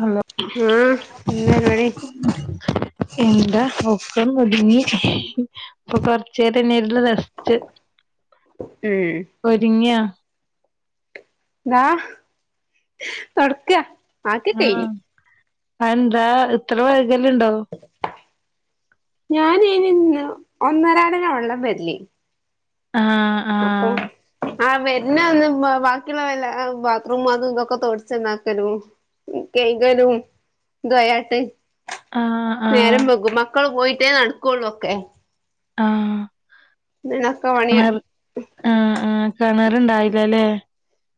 Hello ആഹ് എന്താ പരിപാടി എന്താ ഒക്കെ മുടിഞ്ഞ് ഇപ്പൊ കൊർ [unintelligible] ഉം ഒര്ങ്ങിയാ താ തൊട്ക്കാ ആഹ് അതന്താ ഇത്ര വൈകല്ണ്ടോ? ഞാനയ്നിന്ന് ഒന്നരാടാണ് വള്ളം വര്ല് ആഹ് അപ്പൊ ആഹ് ആഹ് വര്നന്ന് ബാക്കിള്ള വല്ല ആ ബാത്റൂമും അതുംതൊക്കെ തൊടച്ചന്നാക്കലും കെയ്കലും ആഹ് [unintelligible] ആഹ് നേരം വകും മക്കള് പോയിട്ടേ നടക്കൊള്ളൊക്കെ. ആഹ് ഇന്നെക്കെ പണിയ ആ ആ കെണർണ്ടായില്ല ല്ലേ?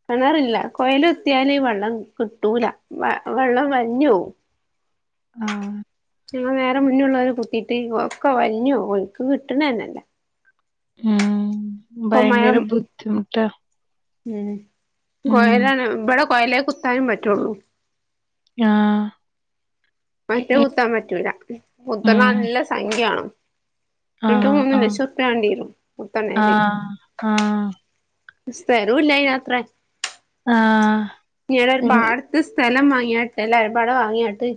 കിണറില്ല കൊയൽ കുത്തിയാല് വെള്ളം കിട്ടൂല വ വെള്ളം വലിഞ്ഞോവും. ആഹ ഞങ്ങൾ നേരെ മുന്നില്ള്ളവർ കുത്തീട്ട് ഒക്കെ വലിഞ്ഞ് പോവ ഓൽക്ക് കിട്ടണന്നല്ല. ഉം ഇപ്പൊ ഭയങ്കര മഴ ബുദ്ധിമുട്ടാ. ഉം ഉം കൊയലാണ് ഇവിടെ കൊയലേ കുത്താനും പറ്റുള്ളൂ. ആഹ മറ്റേ കുത്താൻ പറ്റൂല കുത്തണെ ഉം നല്ല സംഖ്യവേണം. രണ്ടു, ആഹ് മൂന്ന് ആഹ് ലക്ഷം റുപ്യ വേണ്ടിരും കുത്തണല് ആഹ സ്ഥലോമില്ല അതിനത്ര ആഹ് ഞടരു ഇ പാട ഇത് സ്ഥലം വാങ്ങിയാട്ടെ അല്ലേ [unintelligible] വാങ്ങിയാട്ട്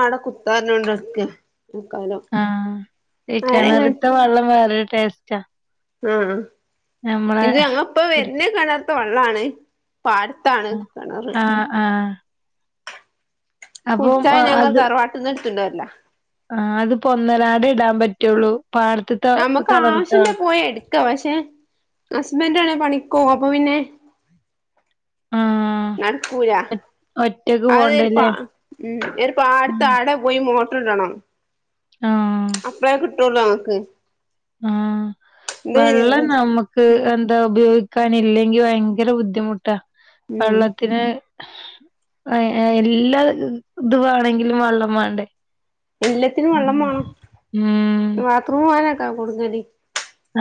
ആടെ കുത്താനോണ്ട് [unintelligible] മക്കാലോ ആഹ് കിണർത്തെ വെള്ളം വേറെ ടേസ്റ്റാ ആഹ് നമ്മളെ ഇത് ങ്ങപ്പൊ കുടി വരുന്നെ കിണറിൽത്ത വെള്ളാണ് പാട ആഹ് ആഹ് അപ്പം കുടിചാൻ ഞങ്ങൾ അത് തറവാട്ടീന്ന് എടുതണ്ട് വരല ആഹ് അത്പ്പോ ഒന്നരാടെ ഇടാൻ പറ്റുള്ളൂ പാടത്ത് നമ്മുക്ക് ആവശ്യണ്ടെ പോയി എടുക്കാ പക്ഷെ ഹസ്ബൻഡണെ പണിക്കോവും അപ്പൊ പിന്നെ ആഹ് നടക്കൂല ഒറ്റക്ക് അത് ഒരുപ്പാ പോണ്ടല്ലേ ഉം ഒരുപാടത്ത ആടെ പോയി മോട്ടർ ഇടണം ആഹ് അപ്പഴേ കിട്ടുള്ളൂ ഞങ്ങക്ക് ആഹ് ഇത് വെള്ളം നമ്മക്ക് എന്താ ഉപയോഗിക്കാൻല്ലെങ്കി ഭയങ്കര ബുദ്ധിമുട്ടാ ഉം വെള്ളത്തിന് ആഹ് എല്ലാ ഇത് വേണെങ്കിലും വെള്ളം വേണ്ടേ എല്ലത്തിനും വെള്ളം വേണം ഉം ബാത്റൂം പോവാനൊക്കാ കൂടുതലും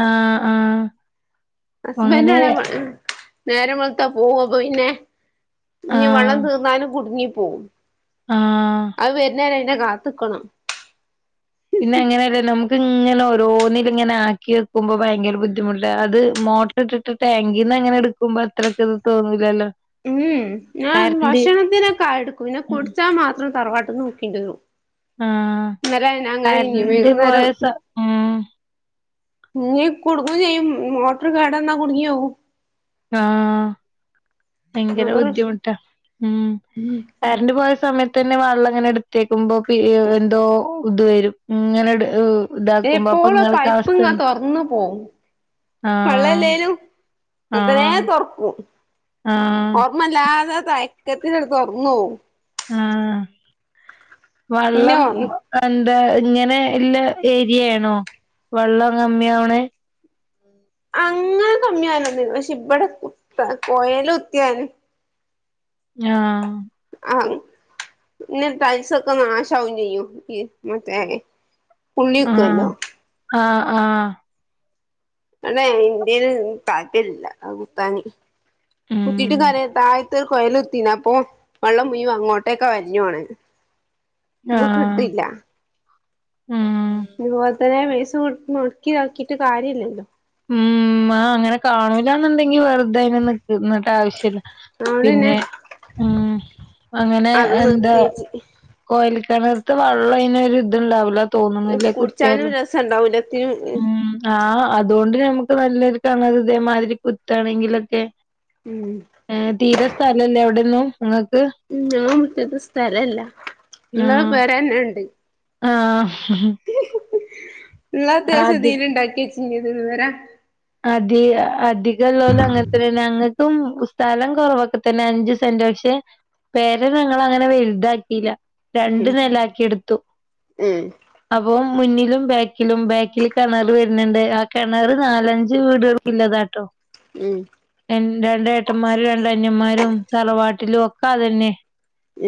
ആഹ് ആഹ് അങ്ങനെ ഹസ്ബൻഡാണെ നേരം വെളുത്താ പോവു അപ്പൊ പിന്നെ ഇനി വെള്ളം ആഹ് തീർന്നാലും കുടുങ്ങി പോവും ആഹ് അത് വരുന്ന വരുന്നവരെ കാത്തിരിക്കണം പിന്നെ അങ്ങനെല്ലേ നമുക്ക് ഇങ്ങനെ ഓരോന്നില് ഇങ്ങനെ ആക്കി വെക്കുമ്പോ ഭയങ്കര ബുദ്ധിമുട്ട അത് മോ ട്രിട്ടിട്ട് ടാങ്കീന്ന് അങ്ങനെ എടുക്കുമ്പോ അത്രക്കെ അത് തോന്നൂല്ലല്ലോ ഉം ഞാൻ ഭക്ഷണത്തിനൊക്കെ എടുക്കും പിന്നെ കുടിച്ചാൻ മാത്രം തറവാട്ട്ന്ന് [unintelligible] ആഹ് എന്നാ അങ്ങനെ ഇനി കരന്റ് പോയ വേകുന്നരം സ ഉം ന് കുടുങ്ങുകയും ചെയ്യും മോട്ടോർ കേടന്ന കുടുങ്ങിയോവും ആഹ് ഭയങ്കര അത് റിസ് ബുദ്ധിമുട്ടാ മ്മ് കറണ്ട് പോയ സമയത്ത് തന്നെ വെള്ളം ഇങ്ങനെ എടുത്തേക്കുമ്പോ എന്തോ ഇത് വരും ഇങ്ങനെ ഇതാക്കുമ്പോ അപ്പൊ എപ്പോളും ഇങ്ങള്ക്കവസ്ഥ പൈപ്പ്ങ്ങ തുറന്നു പോവും ആഹ് അത്രേ ആഹ് തുറക്കും ആഹ് ഓർമ്മല്ലാതെ തയക്കത്തിനത് തുറന്ന് പോവും ആഹ് പിന്നെ വള്ളം വന്നു എന്താ ഇങ്ങനെ ഇള്ള ഏരിയയാണോ വെള്ളം കമ്മിയാവണ അങ്ങനെ കമ്മിയാവലോന്നുല്ല പക്ഷെ ഇവിടെ കുത്ത കൊയൽ കുത്തിയാൽ ആഹ് ആഹ് പിന്നെ ടൈൽസ് ഒക്കെ നാശാവും ചെയ്യും ഈ മറ്റേ ആഹ് ഉള്ളീത്തുവല്ലോ ആഹ് ആഹ് അതെ ഇന്ത്യെല് താഴറ്റില്ല ആഹ് കുത്താന് കുത്തീട്ട് ഉം താരെ താ ത് കൊഴലുത്തിന അപ്പോ വെള്ളം മുയുവം അങ്ങോട്ടേക്ക വരഞ്ഞുവോണെ ആഹ് ആഹ് അതുപോലെ തന്നെ വേസ് കൊടുത്ത് മുക്കിനോക്കീട്ട് കാര്യയില്ലല്ലോ ഉം ആ അങ്ങന കാണൂല്ലാന്നൊണ്ടെങ്കി വെറുതെ അയ്‌ന് നിക് നിന്നട്ടാവശ്യല്ല. പിന്നെ ആഹ് അങ്ങനെ അത് എന്താ നിർത്തിവെച്ച് കൊയൽക്കെണർത്ത് വെള്ളം ഇങ്ങനെ ഒരു ഇതുണ്ടാവൂല തോന്നുന്നില്ല കുടിച്ചാനും കുത്തിയാലും രസണ്ടാവൂല എത്തിനും മ്മ് ആഹ് അതുകൊണ്ട് നമ്മുക്ക് നല്ലൊരു കാണത് ഇതേമാതിരി കുത്താണെങ്കിലൊക്കെ മ്മ് ഏഹ് തീരെ സ്ഥലല്ലേ അവിടെന്നും നിങ്ങക്ക് ഞാ മുറ്റത്ത് സ്ഥലല്ല എന്നാ ആഹ് പെരേന്നെണ്ട് ആഹ് ഉള്ള അത്യാവശ്യം അധി തീരെ ഇണ്ടാക്കി വെച്ച് ഇതുവരെ അതേ ആഹ് അധികള്ളോല് അങ്ങനത്തന്നെ ഞങ്ങക്കും സ്ഥലം കൊറവക്ക തന്നെ അഞ്ചു സെന്റാ പക്ഷെ പേര ഞങ്ങളങ്ങന വെലുതാക്കീല്ല ഉം രണ്ട് നെലയാക്കി എടുത്തു ഉം അപ്പം മുന്നിലും ബാക്കിലും ബാക്കിൽ കെണറ് വരുന്നുണ്ട് ആ കെണറ് നാലഞ്ച്- ഞ്ചു വീടുകൾക്കി [unintelligible] ള്ളതാട്ടോ ഉം എന്റെ രണ്ട് ഏട്ടൻമ്മാരും രണ്ട് അനിയമ്മാരും തറവാട്ടിലുവൊക്ക അത് തന്നെയാ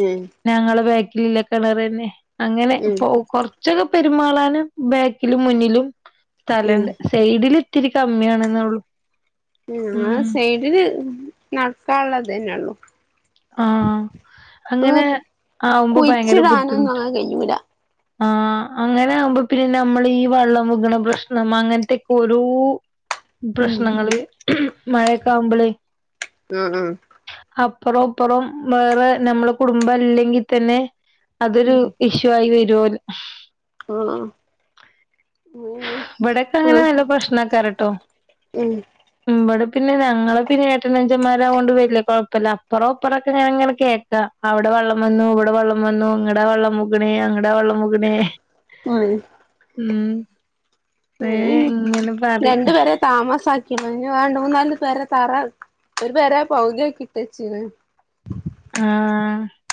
ഉം ഞങ്ങള് ബാക്കിലില്ല കെണറ് തന്നെ അങ്ങനെ ഉം ഇപ്പോ കൊറ ഉച്ച [unintelligible] ക്ക് പെരുമാളാന് ബാക്കിലും മുന്നിലും ഉം സ്ഥലണ്ട് സൈഡില് ഇത്തിരി കമ്മിയാണെന്ള്ളു ഉം ഞങ്ങള് സൈഡില് നടക്കാനുള്ളതെന്നുള്ളു ആഹ് അങ്ങനെ ആവുമ്പോ ഭയങ്കര കുഴിച്ചിടാനൊന്നും ബുദ്ധിമുട്ട് അങ്ങനെ കഴിയൂല ആഹ് അങ്ങനെ ആവുമ്പോ പിന്നെ നമ്മള് ഈ വെള്ളം പോകണ പ്രശ്നം അങ്ങനത്തെ ഒരൂ ഉം പ്രശ്നങ്ങള് മഴയൊക്ക ആവുമ്പളെ ഉം ഉം അപ്പാരോം ഇപ്പോറോം വേറെ നമ്മള കുടുംബല്ലെങ്കി തന്നെ ഉം അതൊരു ഇഷ് [unintelligible] [unintelligible] ഉം ഉം ഇവിടേക്കെ അങ്ങനെ നല്ല പ്രശ്നക്കാരാട്ടോ മ്മ് ഇവടെ പിന്നെ ഞങ്ങളെ പിന്നെ ഏട്ടനനുജൻമാരാവോണ്ട് വരില്ലേ കൊഴപ്പല്ല അപ്പറോം ഇപ്പറോം ഞാനിങ്ങനെ കേക്കാം അവിടെ വെള്ളം വന്നു ഇവിടെ വെള്ളം വന്നു ഇങ്ങടെ വെള്ളം മു കൊറേ അങ്ങട വെള്ളം പോകുന്നെ [unintelligible] മ്മ് കൊറേ ഇങ്ങനെ പറയും താമസാക്കിന്ന് ഇനി വേറേ രണ്ട് മൂന്ന് നാല് പേര തറ ഒരു പെരേ പകുതിയാക്കിയിട്ട് വെച്ചേക്കണ് വെ ആഹ് ആഹ്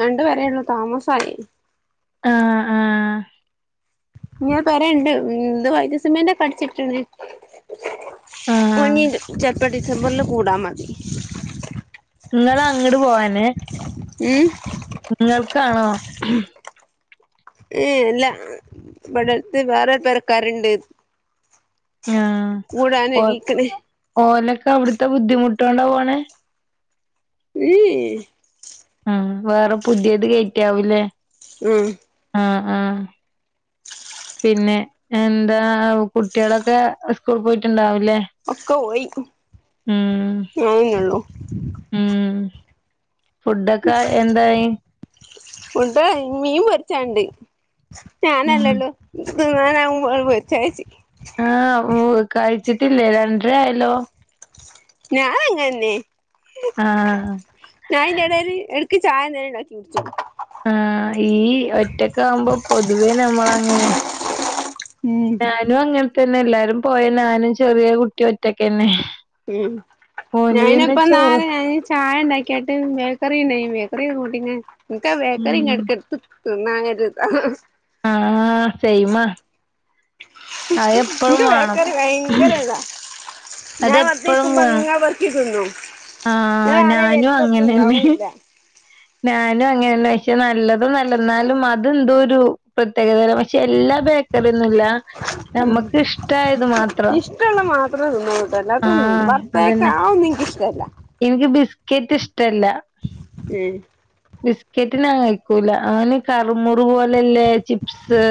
രണ്ടുപേരേയുള്ളൂ താമസായി ആഹ് ആഹ് ഞാ പെരേ കണ്ട് മ്മ് ഇന്ന് വൈറ്റ് സിമിന്റ് ഒക്കെ അടിച്ചിട്ടത് ആഹ് പൊന്നീണ്ട് ചെലപ്പം ഡിസംബറില് കൂടാ മതി നിങ്ങള് അങ്ങട് പോവാന് [unintelligible] നിങ്ങൾക്കാണോ ഏഹ് ഇല്ല ഇവിടത്ത് വേറെ പെരക്കാരുണ്ട് കൂടാന് എനിക്കന് ഓനൊക്കെ അവിടുത്തെ ബുദ്ധിമുട്ട് കൊണ്ടാ പോണേ ഉം [unintelligible] ഉം വേറെ പുതിയത് കേറ്റിയാവൂലേ ഉം ആഹ് ആഹ് പിന്നെ എന്താ കുട്ടികളൊക്കെ സ്കൂൾ പോയിട്ടുണ്ടാവൂല്ലേ ഒക്കെ പോയി ഞാൻ തന്നെയുള്ളൂ ഉം ഫുഡൊക്കെ എന്തായി ഫുഡ്‌ മീൻ പൊരിച്ചത്ണ്ട് ഉം ഞാനല്ലല്ലോ തിന്നാനാവുമ്പോ [unintelligible] ആഹ് ഓ കഴിച്ചിട്ടില്ലേ രണ്ടര ആയല്ലോ ഞാൻ അങ്ങനന്നെ ആഹ് ഞാനിതിന്റെടേല് ഇടക്ക് ചായ ഞാൻ ഉണ്ടാക്കി കുടിച്ചു ആഹ് ഈ ഒറ്റക്കാവുമ്പോ പൊതുവേ നമ്മളങ്ങനെ ഉം ഞാനും അങ്ങനെത്തന്നെ എല്ലാരും പോയ ഞാനും ചെറിയ കുട്ടി ഒറ്റക്കെന്നെ ഉം ഞാനപ്പോ [unintelligible] ചായ ഉണ്ടാക്കിട്ട് ബേക്കറി [unintelligible] ബേക്കറി കൂട്ടി പിന്നെ ഉം ബേക്കറിങ്ങെടക്കെടക്ക് സന്നരുത [unintelligible] ആഹ് സെയിം ആഹ് എനിക്ക് വേണം ബേക്കറി ഭയങ്കര ഇതാ ഞാൻ അതെപ്പഴും വെറുതെക്കുമ്പോ വേണം ഇങ്ങന പെർ ഞാൻ ആഹ് ഞാനും ആരേം [unintelligible] അങ്ങനെന്നെ ഉണ്ടാവും ഇല്ല ഞാനും അങ്ങനെന്ന പക്ഷെ നല്ലതും നല്ലെന്നാലും അതെന്തോ ഒരു പ്രത്യേകതല്ല പക്ഷെ എല്ലാ ബേ അറിയൊന്നില്ല ഉം ഇഷ്ടമുള്ള മാത്രം തിന്നോളുട്ടാ അല്ലാതൊന്നും ആഹ് [unintelligible] അതന്നെ ബേക്കാതൊന്നും എനിക്ക് ഇഷ്ട്ടല്ല എനിക്ക് ബിസ്ക്കറ്റ് ഇഷ്ടല്ല ഉം ബിസ്ക്കറ്റ് നാൻ കഴിക്കൂല അങ്ങനേ കറ്മുറ് പോലല്ലേ ചിപ്സ്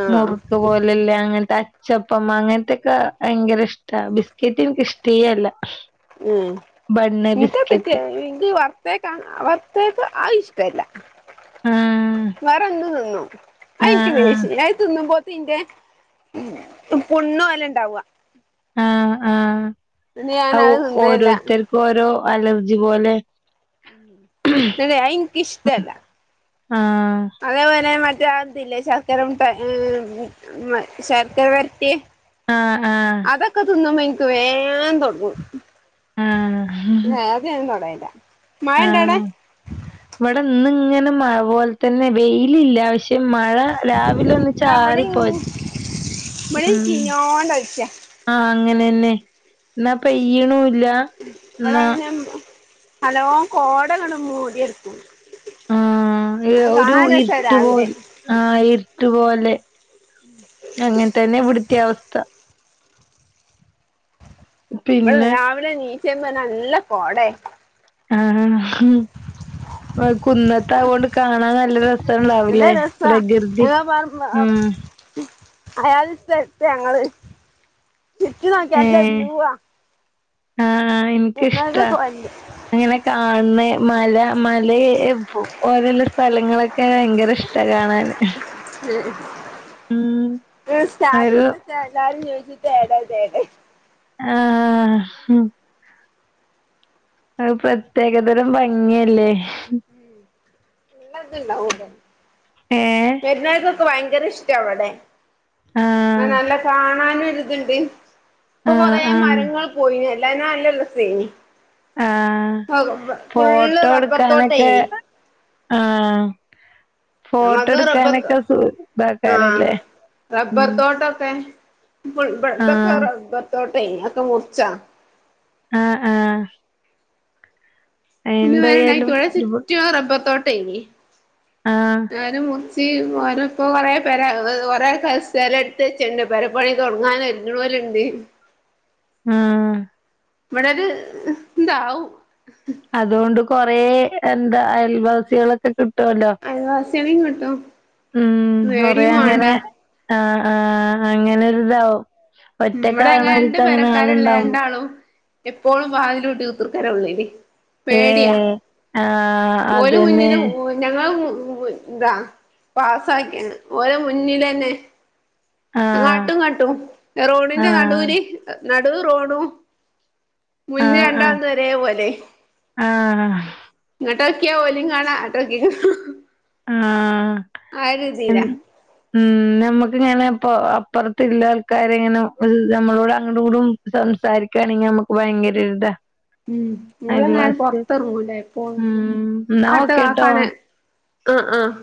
ആ മുറുക്ക് പോലല്ലേ അങ്ങനത്തെ അച്ചപ്പം അങ്ങനത്തൊക്കെ ഭയങ്കര ഇഷ്ടാ ബിസ്ക്കറ്റ് എനക്ക് ഇഷ്ടേഅല്ല ഉം എനിക്ക് അതൊക്കെ എനിക്ക് വ [unintelligible] വറുത്തെക്ക ആ ഇഷ്ടവില്ല ആഹ് വേറൊന്ന് തിന്നു ആ എനിക്ക് ആഹ് ആഹ് ദേഷ്യോ അത് തിന്നുമ്പോതിന്റെ പുണ്ണു പോലെ ഇണ്ടാവുക ആഹ് എന്നിട്ട് ആഹ് ഞാനത് തിന്നേല്ല ഓരോരുത്തർക്കും ഓരോ അലർജി പോലെ [unintelligible] അനിക്ക് ഇഷ്ട അല്ല ആഹ് അതേപോലെ മറ്റേ അതില്ലേ ശർക്കര മുട്ടായി ഉം ശർക്കര വരട്ടി ആഹ് ആഹ് അതൊക്കെ തിന്നുമ്പോ എനിക്ക് വേഗം തൊട്ങ്ങും ആഹ് [unintelligible] [unintelligible] തുടയില മഴ ഉണ്ടോ അവിടെ ആഹ് ഇവിടെ ഇന്ന് ഇങ്ങനെ മഴ പോലെ തന്നെ വെയിലില്ല പക്ഷെ മഴ രാവിലെ ഒന്ന് ദാ ചാറി ഇവിടെയും പോയി ഇവിടെ ചീഞ്ഞോണ്ട് കളിച്ച ആഹ് അങ്ങനെന്നെ എന്നാ പെയ്യണുൽ ഇവടെങ്ങനെയാന്നോ ഹലോ കോട അങ്ങട് മൂടിടക്കും ആഹ് ഒരു ഇരുട്ട് രാവിലെ പോൽ ആഹ് ഇരുട്ടുപോലെ അങ്ങനെ തന്നെ ഇവിടുത്തെയും അവസ്ഥ ഇവടെ പിന്നെ രാവിലെ എനീച്ചപ്പ നല്ല കോടയാ ആഹ് കുന്നത്തായോണ്ട് കാണാൻ നല്ലൊരു രസണ്ടാവില്ലേ നല്ല രസാ പ്രകൃതി ഉം [unintelligible] നോക്കിയ നല്ല ഏഹ് വ്യൂവാ ആഹ് എന്നൊക്കെ ഇനിക്കിഷ്ടാ കൊല്ല് അങ്ങനെ കാണണേ മല മല ഓരുള്ള സ്ഥലങ്ങളൊക് ക്കെ ഭയങ്കര ഇഷ്ട കാണാന് ഉം ഉം ഒരു സ്റ്റാറ്റസ്ച്ചാ എല്ലാരും ചോയ്ച്ചും ഇതെടെ ഇതെടെ ആഹ് ഉം ഒരു പ്രത്യേകതരം ഭംഗിയല്ലേ ഏഹ് [unintelligible] വെര്ന്നോൽക്കൊക്കെ ഭയങ്കര ഇഷ്ട ഇവിടെ ആഹ് നല്ല കാണാനും ഒരിത്ണ്ട് ഇപ്പൊ ആഹ് കൊറേ ആഹ് മരങ്ങൾ പോയിന എല്ല നല്ല രസേനി ആഹ് ഫുള്ള് ഫോട്ടോ റബ്ബർ എടുക്കാനൊക്കെ തോട്ടേനി ആഹ് ഞങ്ങൾത് റബ്ബർ ഫോട്ടോടുക്കാനൊക്കെ സു ആഹ് ഇതാക്കാരല്ലേ ഉം [unintelligible] തൊക്കെ ആഹ് റബ്ബർ തൊട്ടേനി അതൊക്കെ മൂർച്ചാ ആഹ് ആഹ് ഇന്ന് എന്തായാലും [unintelligible] ഒരുപാ ചുറ്റും റബർത്തോട്ടേനി ആഹ് [unintelligible] ചി ഓര ഇപ്പോ കുറേ പെര കുറെ കല എടുത്ത് വ ചെണ്ട് പരപ്പണി തുടങ്ങാന [unintelligible] ഉം ഇവടൊര് ഇതാവും അതോണ്ട് കൊറേ എന്താ അയൽവാസികളൊക്കെ കി ട്ടുവല്ലോ അയൽവാസികളെയും കിട്ടും ഉം കൊറേ പേടിയും അങ്ങനെ വേണ്ട ആഹ് ആഹ് അങ്ങനെരിതാവും ഉം ഇവിടെ അങ്ങനെ രണ്ട് ഒറ്റക്കാണോരിക്കങ്ങനെ ആൾ പെരക്കാരുള്ള ഉണ്ടാവും രണ്ടാളും എപ്പോഴും വാതിലൂട്ടി കുത്തിർക്കല ഉള്ളില് പേടിയാ ഏഹ് ആഹ് ഓല് അതന്നെ മുന്നിലും ഞങ്ങൾ താ പാസാക്കിയാണ് ഓരോ മുന്നിലെന്നെ ആഹ് അങ്ങാട്ടുങ്ങട്ടും റോഡിന്റെ ആഹ് നടൂല് നടു റോഡും മുന്നേ ആഹ് ആഹ് രണ്ടാൾതും ഒരേപോലെ ആഹ് ങ്ങോട്ടോക്കിയേ ഓലിം കാണാ ട്ടോക്കി ആഹ് ആരുതീലാ എൻ ഉം നമ്മക്ക്ങ്ങനെ ഇപ്പ അപ്പുറത്ത്ള്ള ആൾക്കാരങ്ങനെ നമ്മളോട് അങ്ങോട്ങ്ങ്ടും സംസാരിക്കയാണെങ്കി നമക്ക് ഭയങ്കര ഒരിതാ ഉം [unintelligible] അയൽവാസി പൊറത്തെറങ്ങുല്ലേ എപ്പോളും ഉം എന്നാ അടുത്ത ഓക്കേട്ടോ [unintelligible] ആഹ് ആഹ്